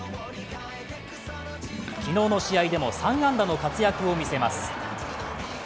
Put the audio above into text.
昨日の試合でも３安打の活躍を見せます。